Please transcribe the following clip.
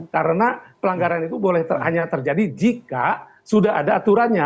karena pelanggaran itu boleh hanya terjadi jika sudah ada aturannya